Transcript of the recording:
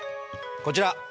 こちら。